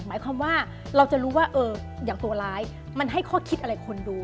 หมายความว่าเราจะรู้ว่าอย่างตัวร้ายมันให้ข้อคิดอะไรคนดู